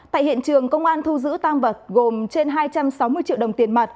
tại hiện trường công an thu giữ tăng vật gồm trên hai trăm sáu mươi triệu đồng